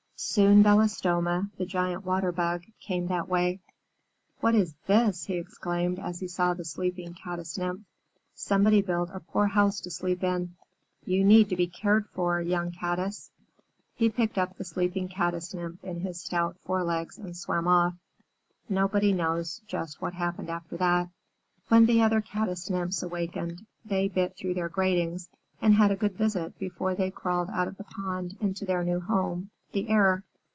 Soon Belostoma, the Giant Water Bug, came that way. "What is this?" he exclaimed, as he saw the sleeping Caddis Nymph. "Somebody built a poor house to sleep in. You need to be cared for, young Caddis." He picked up the sleeping Caddis Nymph in his stout forelegs and swam off. Nobody knows just what happened after that. When the other Caddis Nymphs awakened, they bit through their gratings and had a good visit before they crawled out of the pond into their new home, the air.